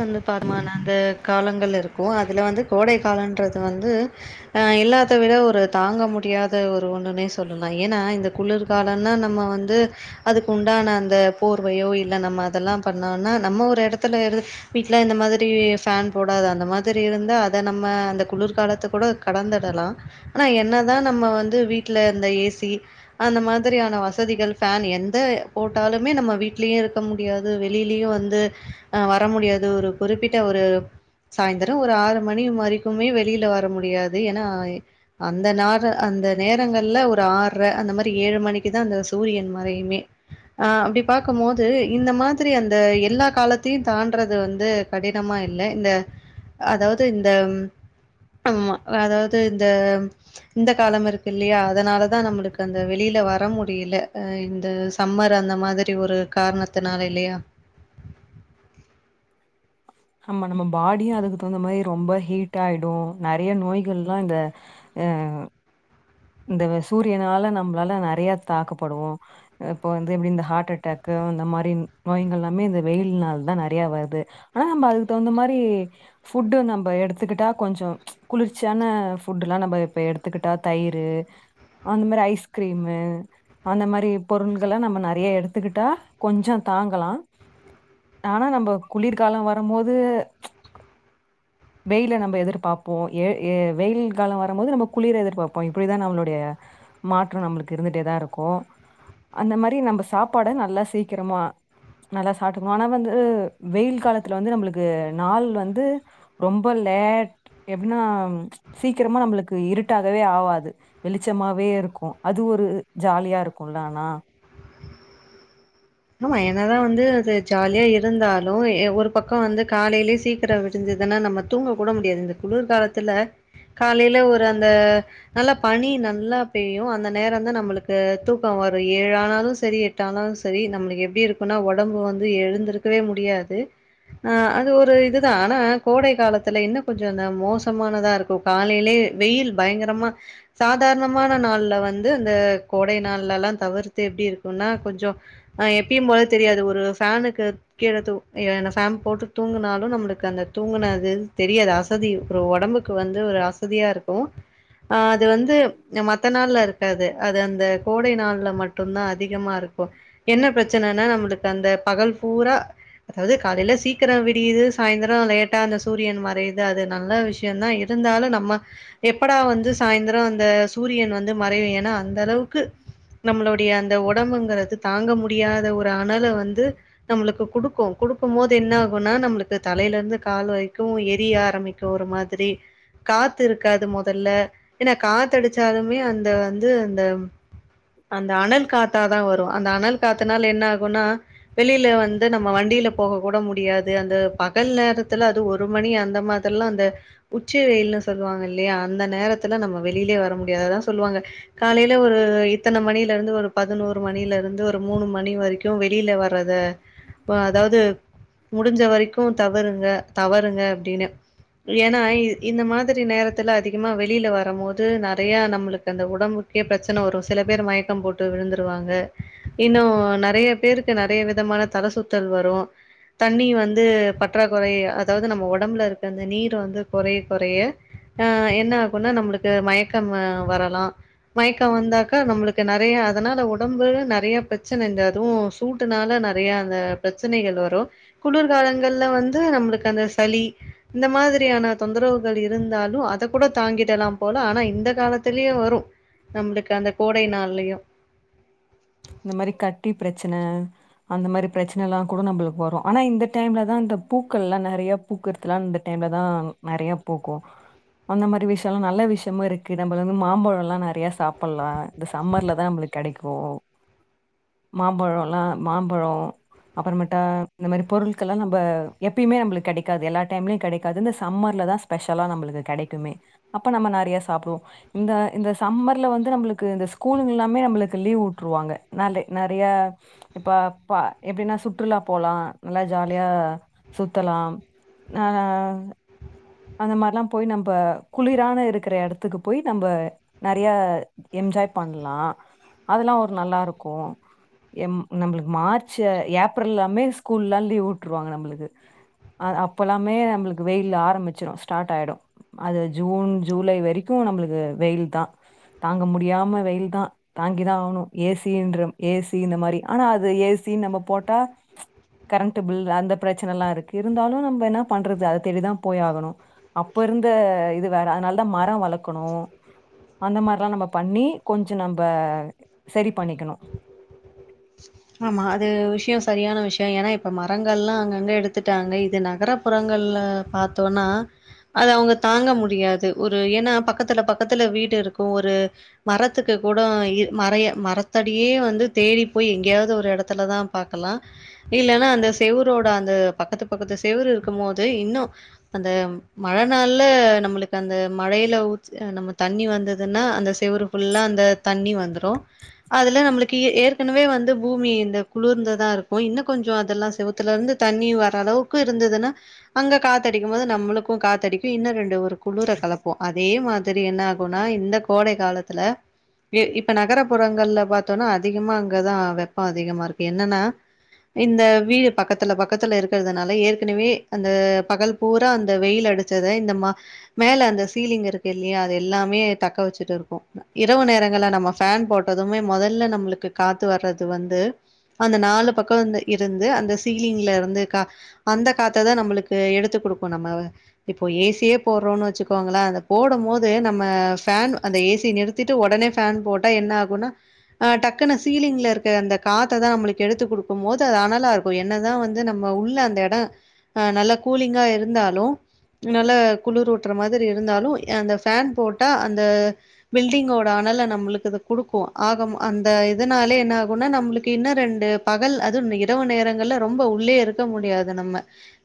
வந்து பாருமா நான்கு காலங்கள் இருக்கும் அதுல வந்து கோடை காலன்றது வந்து ஆ எல்லாத்த விட ஒரு தாங்க முடியாத ஒரு ஒன்னுன்னே சொல்லலா ஏன்னா இந்த குளிர்காலன்னா நம்ம வந்து அதுக்கு உண்டான அந்த போர்வையோ இல்ல நம்ம அதெல்லா பண்ணோன்னா நம்ம ஒரு எடத்துல இரு வீட்ல இந்த மாதிரி பேன் போடாத அந்த மாதிரி இருந்தா அத நம்ம அந்த குளிர்காலத்த கூட கடந்துடலா ஆனா என்னதா நம்ம வந்து வீட்ல இந்த ஏ சி அந்த மாதிரியான வசதிகள் ஃபேன் எந்த போட்டாலுமே நம்ம வீட்லயே இருக்க முடி யாது வெளிலயு வந்து அ வர முடியாது ஒரு குறிப்பிட்ட ஒரு சாய்ந்தரம் ஒரு ஆறு மணி வரைக்குமே வெளில வர முடியாது ஏன்னா அந்த நார அந்த நேரங்கள்ல ஒரு ஆர்ரை அந்த மாரி ஏழு மணிக்குதா அந்த சூரியன் மறையுமே ஆ அப்டி பாக்கும்போது இந்த மாதிரி அந்த எல்லா காலத்தையு தாண்றது வந் து கடினமா இல்ல இந்த அதாவது இந்த ஆம்மா அதாது இந்த இந்த காலம் இருக்கு இல்லீயா அதுனால தா நம்மளுக் அந்த வெளில வர முடியல அ இந்த சம்மர் அந்த மாதிரி ஒரு காரணத்துனால இல்லயா நம்ம நம்ம பாடியு அதுக்கு தகுந்த மாரி ரொம்ப ஹீட் ஆய்டு நெறைய நோய்கள்லா இந்த அ இந்த சூரியனால நம்மளால நெறைய தாக்கப்படுவோ இப்போ வந்து எப்டி இந்த ஹாரட் அட்டாக்கு அந்த மாரி நோய்கள் எல்லாமே இந்த வெயில் நாள தா நெறைய வருது ஆனா நம்ம அதுக்கு தவுந்த மாரி ஃபுட்டு நம்ம எடுத்துக்கிட்டா கொஞ்ச குளிர்ச்சியான ஃபுட் எல்லா நம்ம இப்ப எடுத்துக்கிட்டா தயிர் டு அந்த மாரி ஐஸ்கிரீமு அந்த மாரி பொருள்கள நம்ம நெறைய எடுத்துக்கிட்டா கொஞ்ச தாங்கலா ஆனா நம்ம குளிர்காலம் வரும்போது வெயில நம்ம எதிர்பாப்போம் எ ஏ வெயில் காலம் வரும்போது நம்ம குளிர எதிர்பாப்போம் இப்படிதான் நம்மளுடைய மாற்றம் நம்மளுக் இருந்துட்டே தா ருக்கும் அந்த மாரி நம்ம சாப்பாட நல்லா சீக்கிரமா நல்லா சாப்டுக்கும் ஆனா வந்து வெயில் காலத்துல வந்து நம்மளுக் நாள் வந்து ரொம்ப லேட் எப்புன்னா சீக்கிரமா நம்மளுக் இருட்டாகவே ஆவாது வெளிச்சமாவே இருக்கும் அது ஒரு ஜாலியா இருக்கும்ல ஆனா ஆமா என்னதான் வந்து அது ஜாலியா இருந்தாலும் ஒரு பக்கம் வந்து காலையிலயே சீக்கிரம் விடிஞ்சதுன்னா நம்ம தூங்க கூட முடியாது இந்த குளிர் காாலத்துல காலேல ஒரு அந்த நல்லா பனி நல்லா பெய்யும் அந்த நேரம்தான் நம்மளுக்கு தூக்கம் வரும் ஏழு ஆனாலும் சரி டானாலும் சரி நம்மளுக்கு எப்டி இருக்குனா ஒடம்பு வந்து எழுந்திருக்கவே முடியாது ஆ அது ஒரு இதுதான் ஆனா கோடை காலத்துல இன்னும் கொஞ்ச மோசமான தாருக்கும் காலேலயே வெயில் பயங்கரமா சாதாரணமான நாள்ல வந்து அந்த கோடை நாள்ல எல்லா தவிர்த்து எப்டி இருக்குன்னா கொஞ்சோ ஆ எப்பயு போல தெரியாது ஒரு ஃபேனுக்கு கெர தூ பேன் போட்டு தூங்கினாலும் நம்மளுக்கு அந்த தூங்கினது தெரியாது அசதி இருக்குற ஒடம்புக் கு வந்து ஒரு அசதியா இருக்கும் அ அது வந்து மத்த நாள்ல இருக்காது அது அந்த கோடை நாள்ல மட்டுந்தா அதிகமா இருக்கு என்ன பிரச்சனைன்னா நம்மளுக்கு அந்த பகல் பூரா அதாது காலேல சீக்கிர விடியுது சாயந்தர லேட்டா அந்த சூரியன் மறையுது அது நல்ல விஷ் யந்தா இருந்தாலு நம்ம எப்படா வந்து சாய்ந்திர அந்த சூரியன் வந்து மறையு ஏ ன்னா அந்த அளவுக்கு நம்ளுடைய அந்த ஒடம்புங்கறது தாங்க முடியாத ஒரு அனல வந்து நம்ளுக்கு குடுக்கு குடுக்கும் போது என்ன ஆகும்னா நம்மளுக்கு தலைல இருந்து கால் வைக்கு எரிய ஆரம்பிக் கு ஒரு மாதிரி காத்து இருக்காது மொதல்ல ஏன்னா காத்து அடிச்சாலுமே அந்த வந்து அந்த அந்த அனல் காத்தாதா வரு அந்த அனல் காத்துனால என்ன ஆகும்னா வெளில வந் து நம்ம வண்டில போக கூட முடியாது அந்த பகல் நேரத்துல அது ஒரு மணி அந்த மாதிரெல்லா அந்த உச்ச வெயில்னு சொல்லுவாங்க இல்லையா அந்த நேரத்துல நம்ம வெளிலேயே வர முடியாததா சொல்லுவாங்க காலைல ஒரு இத்தன மணில இருந்து ஒரு பதினோரு மணில இருந்து ஒரு மூணு மணி வரைக்கு வெளில வர்றத அதாது முடிஞ்ச வரைக்கு தவறுங்க தவறுங்க அப்டின்னு ஏன்னா இந்த மாதிரி நேரத் துல அதிகமா வெளில வரும் போது நெறைய நம்மளுக்கு அந்த உடம்புக்கே ப்ரச்சனை வரு சில பேர் மயக்கம் போட் டு விழுந்துருவாங்க இன்னு நெறைய பேருக்கு நெறைய விதமான தல சுத்தல் வரு தண்ணி வந்து பற்றாக்குறை அதாவது நம்ம ஒடம்புல இருக்க அந்த நீர் வந்து கொறைய கொறைய ஆ என்ன ஆகுன்னா நம்ளுக்கு மயக்கம் வரலா மயக்கம் வந்தாக்கா நம்ளுக்கு நெறைய அதனால உடம்பு நெறைய ப்ரச்சன இந்த அதுவு சூட்டுனால நெறைய அந்த ப்ரச்சனைகள் வரு குளுர்காலங்கள்ல வந்து நம்ளுக்கு அந்த சளி இந்த மாதிரியான தொந்தரவுகள் இருந்தாலு அ த கூட தாங்கிடலா போல ஆனா இந்த காலத்திலேயே வரு நம்ளுக்கு அந்த கோடை நாள்லயு இந்த மாறி கட்டி ப்ரச்சன அந்த மாரி ப்ரச்சனைலாம் கூட நம்ளுக்கு வரு ஆனா இந்த டைம்லதா அந்த பூக்கள்லா நெறைய பூக்கறத்துலாம் இந்த டைம்ல தான் நெறைய பூக்கு அந்த மாரி விஷயம்ல்லா நல்ல விஷயமு இருக்கு நம்மள வந்து மாம்பழலா நெறைய சாப் ப்பலா இந்த சம்மர்லதா நம்ளுக்கு கெடைக்கு மாம்பழம்லா மாம்பழ அப்பறமட்டா இந்த மாறி பொருட்கள் எல்லா நம்ம எப்பயுமே நம்ளுக்கு கெடைக்காது எல்லா டைம்லயும் கெடைக்காது இந்த சம்மர்லதா ஸ்பெஷலா நம்ளுக்கு கெடைக்குமே அப்ப நம்ம நெறைய சாப்டுவோ இந்த இந்த சம்மர்ல வந்து நம்ளுக்கு இந்த ஸ்கூலுங்க எல்லாமே நம்ளுக்கு லீவ் உ ட்ருவாங்க நால நெறைய இப்ப இப்ப எப்டின்னா சுற்றுலா போலா நல்லா ஜாலியா சுத்தலாம் நானா அந்த மாறிலா போய் நம்ப குளிரான இருக்கிற எடத்துக்கு போய் நம்ப நெறைய என்ஜாய் பண்லா அதெல்லா ஒரு நல்லாருக்கு எம் நம்ளுக்கு மார்ச் ஏப்ரல் எல்லாமே ஸ்கூல்ல எல்லா லீவ் உட்டுருவாங்க நம்மளுக்கு அ அப்போ எல்லாமே நம்ளுக்கு வெயில் ஆரம்பிச் சுரு ஸ்டார்ட் ஆயிடு அது ஜூன் ஜூலை வரைக்கு நம்ளுக்கு வெயில்தா தாங்க முடியாம வெயில்தா தாங்கிதா ஆகணு ஏசின்ற ஏசி இந்த மாறி ஆனா அது ஏசின்னு நம்ம போட்டா கரண்ட்ட் பில் அந்த பிரச்சனைலா இருக்கு இருந்தாலு நம்ப என்னா பண்றது அத தேடி தா போய் ஆகணு அப்ப இருந்த இது வேற அதனாலதா மர வளக்கணு அந்த மாறிலா நம்ம பண்ணி கொஞ்ச நம்ம சரி பண்ணிக்கணு ஆமா அது விஷ்யோ சரியான விஷ்ய ஏன்னா இப்போ மரங்கள்லா அங்கங்க எடுத்துட்டாங்க இது நகர நகர புறங்கள்ல பாத்தோன்னா அது அவங்க தாங்க முடியாது ஒரு ஏன்னா பக்கத்துல பக்கத்துல வீடு இருக்கு ஒரு மரத்துக்கு கூட இ மரத்தடியே வந்து தேடி போய் எங்கயாவது ஒரு எடத்துல தா பாக்கலா இல்லன்னா அந்த செவுரோட அந்த பக்கத்து பக்கத்து செவுரு இருக்கும் போது இன்னு அந்த மழைநாள்ல நம்ளுக்கு அந்த மழையில ஊத் நம்ம தண்ணி வந்ததுன்னா அந்த செவுறு ஃபுல்லா அந்த தண்ணி வந்துரு அதுல நம்ளுக்கு ஏற்கனவே வந்து பூமி இந்த குளிர்ந்துதா இருக்கு இன்னு கொஞ்ச அதெல்லா செவுத்துல இருந்து தண்ணி வர்ர அளவுக்கு இருந்ததுன்னா அங்க காத்தடிக்கும் போது நம்மளுக்கு காத்தடிக்கு இன்னு ரெண்டு ஒரு குளிர கலப்பு அதே மா தரி என்ன ஆகுன்னா இந்த கோடை காலத்துல இப்ப நகரபுறங்கள்ல பாத்தோனா அதிகமா அங்கதா வெப்போ அதிகமா இருக்கு என்னன்னா இந்த வீடு பக்கத்துல பக்கத்துல இருக்கறதுனால ஏற்கனவே அந்த பகல் பூரா அந்த வெயில் அடிச்சத இந்த மா மேல அந்த சீலிங் இருக்கு இல்லையா அது எல்லாமே தக்க வச்சுட்டு இருக்கு இரவு நேரங்கள்ல நம்ம ஃபேன் போட்டதுமே மொதல்ல நம்மளுக்கு காத்து வர்றது வந்து அந்த நாலு பக்க இருந்து அந்த சீலிங்ல இருந்து கா அந்த காத்ததா நம்மளுக்கு எடுத்து குடுக்கு நம்ம இப்போ ஏசியே போட்றோன்னு வச்சுக்கோங்களா அந்த போடம் போது நம்ம ஃபேன் அந்த ஏசி நிறுத் ட்டு ஒடனே ஃபேன் போட்டா என்ன ஆகுன்னா டக்குன்னு சீலிங்ல இருக் அந்த காத்ததா நம்மளுக்கு எடுத்து குடுக்கும் போது அது அனலா இருக்கு என்னதா வந்து நம்ம உள்ள அந்த எடோ ஆ நல்லா கூலிங்கா இருந்தாலு நல்லா குளுரூட்ற மாதிரி இருந்தாலு அந்த ஃபேன் போட்டா அந்த பில்டிங்கோட அனல நம்மளுக்கு இது குடுக்கு ஆக அந்த இதனாலே என்ன ஆகுன்னா நம்மளுக்கு இன்னு ரெண்டு பகல் அது இரவு நேரங்கள்ல ரொம்ப உள்ளே இருக்க முடியாது நம்ம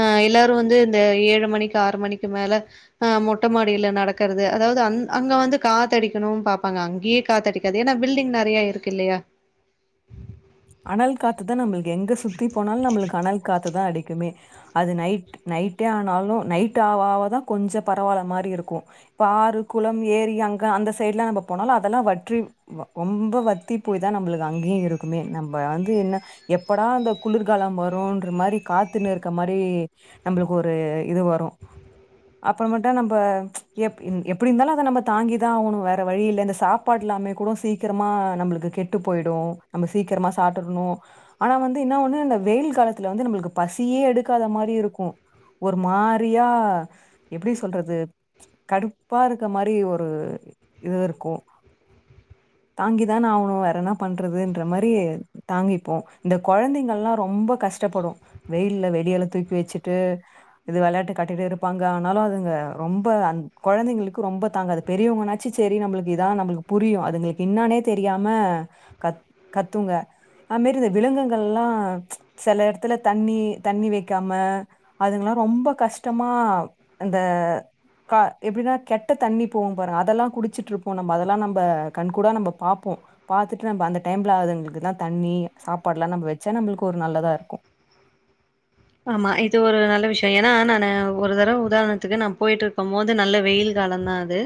ஆ எல்லாரு வந்து இந்த ஏழு மணிக்கு ஆறு மணிக்கு மேல ஆ மொட்டமாடில நடக்கறது அதாவது அ அங்க வந்து காத்தடிக்கணு பாப்பாங்க அங்கயே காத்தடிக்காது ஏன்னா பில்டிங் நெறைய இருக்கு இல்லையா அனல் காத்துதா நம்மளுக்கு எங்க சுத்தி போனாலு நம்மளுக்கு அனல் காத்துதா அடிக்குமே அது நைட் நைட்டே ஆனாலு நைட் ஆவ ஆவதா கொஞ்ச பரவால்ல மாரி இருக்கு இப்ப ஆறு குளம் ஏரி அங்க அந்த சைடு் எல்லா நம்ம போனாலு அதெல்லா வற்றி ரொம்ப வத்தி போய் தா நம்மளுக்கு அங்கியு இருக்குமே நம்ம வந்து என்ன எப்படா அந்த குளிர்காலம் வருன்ற மாரி காத்துன்னு இருக்க மாரி நம்மளுக்கு ஒரு இது வரு அப்புறமெட்டா நம்ப எப்டி இருந்தாலு அத நம்ம தாங்கிதா ஆவணு வேற வழி இல்ல இந்த சாப் பாடு இல்லாமே கூட சீக்கிரமா நம்மளுக்கு கெட்டு போய்டு நம்ம சீக்கிரமா சாப்டர்ணு ஆனா வந்து என்ன ஒண்ணு அந்த வெயில் காலத்துல வந்து நம்மளுக்கு பசியே எடுக்காத மாரி இருக்கு ஒரு மாரியா எப்டி சொல்றது கடுப்பா இருக்க மாரி ஒரு இது இருக்கு தாங்கி தான ஆவனு வேற என்ன பண்றது மாரி தாங்கிப்போ இந்த குழந்தைங்கள்லா ரொம்ப கஷ்டப்படு வெயில்ல வெளியல தூக்கி வச்சுட்டு இது வெளையாட்டு கட்டிட்டு இருப்பாங்க ஆனாலு அதுங்க ரொம்ப அந்த் கொழந்தைங்களுக்கு ரொம்ப தாங்காது பெரியவங்கனாச்சு சரி நம்மளுக்கு இதா நம்மளுக்கு புரியு அதுங்களுக்கு என்னானே தெரியாம கத் கத்துங்க அதுமாரி இந்த விலங்குங்கள்லா செல இடத்துல தண்ணி தண்ணி வைக்காம அதுங்குல்லா ரொம்ப கஷ்டமா அந்த கா எப்டினா கெட்ட தண்ணி போவு பாருங்க அதெல்லா குடிச்சிட்ருப்போ நம்ம அதெல்லா நம்ம கண்கூடா நம்ம பாப்போ பாத்துட்டு நம்ம அந்த டைம்ல அதுங்களுக்கு தண்ணி சாப்பாடுல்லா நம்ம வச்சா நம்ளுக்கு ஒரு நல்லதா இருக்கு ஆமா இது ஒரு நல்ல விஷ்யோ ஏனா நானு ஒரு தரவ உதாரணத்துக்கு நா போயிட்டு இருக்கும் போது நல்ல வெயிலு காலந்தா அது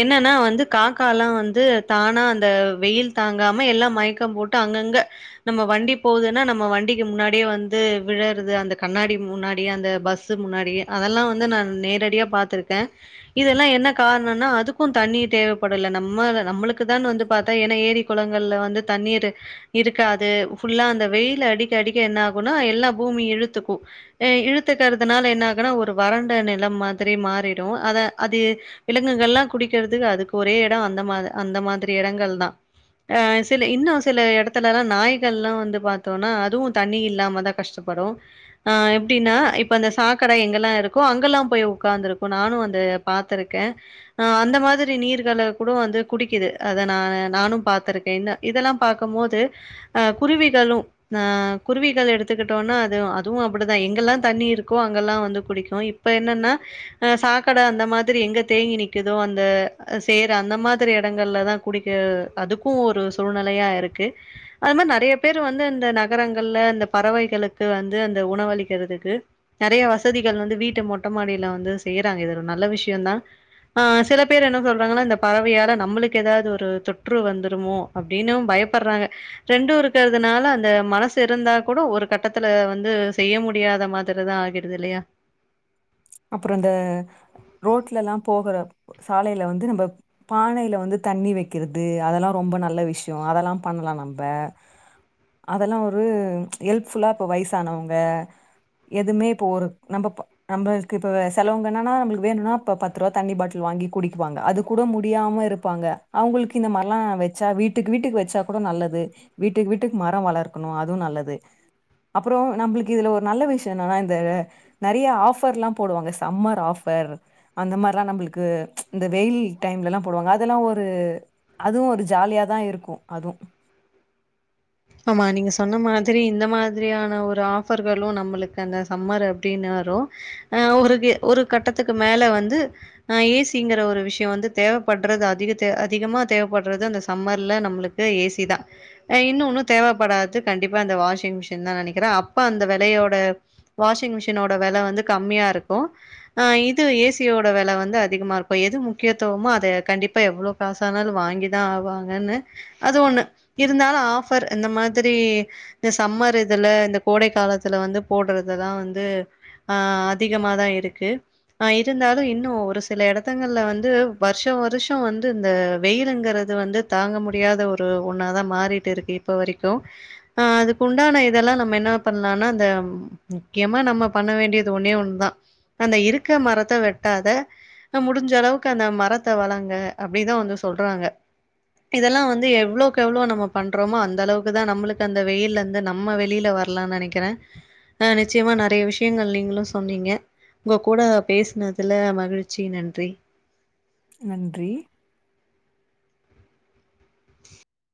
என்னன்னா வந்து காக்கால்லா வந்து தானா அந்த வெயில் தாங்காம எல்லா மயக்கம் போட் டு அங்கங்க நம்ம வண்டி போகுதுன்னா நம்ம வண்டிக்கு முன்னாடியே வந்து விழ ந்தது அந்த கண்ணாடி முன்னாடி அந்த பஸ் முன்னாடி அதெல்லா வந்து நா நேரடியா பா்த்திருக்கே இதெல்லா என்ன காரணோன்னா அதுக்கு தண்ணி தேவப்படுல நம்ம நம்மளுக்கு தான் வந்து பாத்தா ஏனா ஏரி குளங்கள்ல வந்து தண்ணீரு இருக்காது ஃபுல்லா அந்த வெயில் அடிக்க அடிக்க என்ன ஆகுன்னா எல்லா பூமி இழுத்துக்கு ஏ இழுத்துக்கிறதுனால என்ன ஆகுனா ஒரு வறண்ட நிலம் மாதிரி மாரி போயிரு அதா அது விலங்குகள்லா குடிக்கிறதுக்கு அதுக்கு ஒரே எடோ அந்த மா அந்த மாதிரி எடங்கள் தா ஆ சில இன்னு சில எடத்துலலா நாய்கள்லா வந்து பாத்தோன்னா அதுவு தண்ணி இல்லாம தா கஷ்ட அப்பறோ ஆ எப்டின்னா இப்ப அந்த சாக்கட எங்கெல்லா இருக்கோ அங்கல்லா போய் உட்காந்துருக்கு நானு அந்த பாத்துருக்கே ஆ அந்த மாதிரி நீர்கள கூடோ வந்து குடிக்குது அத நா நானு பாத்திருக் என்ன இதெல்லாம் பாக்கும் போது அ குருவிகளும் அ குருவிகள் எடுத்துக்கிட் டோனா அது அதுவு அப்டிதா எங்கெல்லா தண்ணி இருக்கோ அங்கெல்லா வந்து குடிக்கு இப்ப என்னன்னா அ சாக்கடை அந்த மாதிரி எங்க தேங்கி நிக்குதோ அந்த சேறு அந்த மாதிரி இடங்கள்லதா குடிக்க அதுக்கு ஒரு சூழ்நிலையா இருக்கு அது மாரி நெறைய பேரு வந்து இந்த நகரங்கள்ல இந்த பறவை களுக்கு வந்து அந்த உணவளிக்கிறதுக்கு நெறைய வசதிகள் வந்து வீட்டு மொட்டை மாடியில வந்து செய்யுறாங்க இது ஒரு நல்ல விஷ்யந்தா ஆ சில பேர் என்ன சொல்றாங்கன்னா இந்த பறவையால நம்ளுக்கு ஏதாவது ஒரு தொற்று வந்துருமோ அப்டின்னும் பயப்படுறாங்க ரெண்டு இருக்கிறதுனால அந்த மனசு இருந்தா கூட ஒரு கட்டத்துல வந்து செய்ய முடியாத மாதிரிதா ஆகிடுது இல்லயா அப்புறோ இந்த ரோட்ல எல்லா போகுற சாலையில வந்து நம்ப பானையில வந்து தண்ணி வைக்கிறது அதெல்லா ரொம்ப நல்ல விஷ்யம் அதெல்லா பண்ணலா நம்ப அதெல்லா ஒரு ஹெல்ப் ஃபுல்லா இப்ப வயசானவங்க எதுமே இப்போ ஒரு நம்ம ப நம்ப இப்போ செலவுங்க என்னன்னா நம்ளுக்கு வேணுனா இப்போ பத்து ரூவா தண்ணி பாட்டில் வாங்கி குடிக்குவாங்க அது கூட முடியாம இருப்பாங்க அவங்ளுக்கு இந்தமாரிலா வச்சா வீட்டுக்கு வீட்டுக்கு வச்சா கூட நல்லது வீட்டுக்கு வீட்டுக்கு மரோ வளர்க்கணு அதுவு நல்லது அப்றோ நம்ளுக்கு இதுல ஒரு நல்ல விஷ்யோ என்னன்னா இந்த நெறைய ஆஃபர்ல்லா போடுவாங்க சம்மர் ஆஃபர் அந்த மாரிலா நம்ளுக்கு இந்த வெயில் டைம்லல்லா போடுவாங்க அதெல்லா ஒரு அதுவு ஒரு ஜாலியாதா இருக்கு அதுவு ஆமா நீங்க சொன்ன மாதிரி இந்த மாதிரியான ஒரு ஆஃபர்களு நம்ளுக்கு அந்த சம்மரு அப்டின்னு வரு அ ஒரு கி ஒரு கட்டத்துக்கு மேல வந்து ஆ ஏ சிங்கிற ஒரு விஷ்யோ வந்து தேவைப்படுறது அதிக தே அதிகமா தேவைப்படுறது அந்த சம்மர்ல நம்ளுக் கு ஏ சிதா அ இன்னு ஒன்னு தேவைப்படாது கண்டிப்பா அந்த வாஷிங் மிஷின் தா நெனைக்கிறே அப்ப அந்த வெலையோட வாஷிங் மிஷினோட வெல வந்து கம்மியா இருக்கோ ஆ இது ஏ சி யோட வெல வந்து அதிகமா இருக்கோ எது முக்கியத்துவமோ அத கண்டிப்பா எவ்வளோ காசானாலு வாங்கி தா ஆவாங்கன்னு அது ஒண்ணு இருந்தாலு ஆஃப் பர் இந்த மாதிரி இந்த சம்மர் இதுல இந்த கோடை காலத்துல வந்து போடுறதுலா வந்து ஆ அதிகமா தா இருக்கு ஆ இருந்தாலு இன்னு ஒரு சில எடத்தங்கள வந் து வருஷா வருஷோ வந்து இந்த வெயிலுங்கிற து வந்து தாங்க முடியாத ஒரு ஒண்ணாதா மாறிட்டுருக்கு இப்ப வரைக்கூ ஆ அதுக்குண்டான இதெல்லா நம்ம என்ன பண்லானா இந்த ம் முக்கியமா நம்ம பண்ண வேண்டியது ஒன்னே ஒண்தா அந்த இருக்க மரத்த வெட்டாத அ முடிஞ்ச அளவுக்கு அந்த மரத்த வளங்க அப்டிதா வந்து சொல்றாங்க இதெல்லா வந்து எவ்ளோக் எவ்ளோ நம்ம பண்றோமோ அந் தளவுக்கு தா நம்மளுக்கு அந்த வெயில்ல இந்து நம்ம வெளில வர்லா நெனைக்கிறே அ நிச்சியமா நெறைய விஷியங்கள் நீங்களு சொன்னீங்க உங்க கூட பேசுனதுல மகிழ்ச்சி நன்றி நன்றி